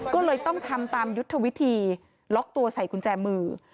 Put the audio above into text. ก็เลยต้องทำตามยุทธวิธีล็อกตัวใส่กุญแจมือ